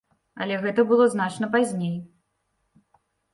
Але гэта было значна пазней.